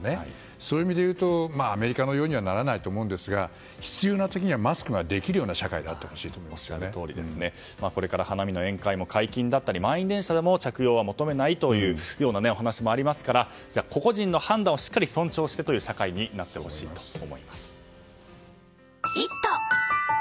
そういう意味でいうとアメリカのようにはならないと思うんですが必要な時にはマスクができるようなこれから花見の宴会も解禁だったり満員電車でも着用は求めないという話もありますから個々人の判断をしっかり尊重した社会になってほしいと思います。